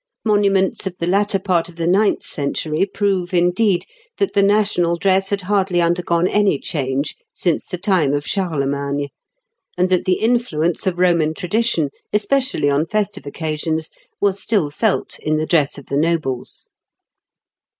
Monuments of the latter part of the ninth century prove, indeed, that the national dress had hardly undergone any change since the time of Charlemagne, and that the influence of Roman tradition, especially on festive occasions, was still felt in the dress of the nobles (Figs.